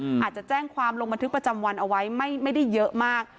อาจจะแจ้งความลงบันทึกประจำวันเอาไว้ไม่ไม่ได้เยอะมาก